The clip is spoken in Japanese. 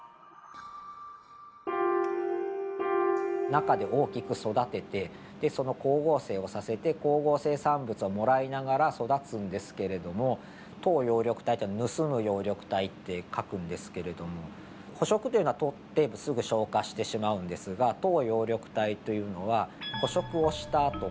中で大きく育ててでその光合成をさせて光合成産物をもらいながら育つんですけれども盗葉緑体って盗む葉緑体って書くんですけれども捕食というのは捕ってすぐ消化してしまうんですが盗葉緑体というのは捕食をしたあと。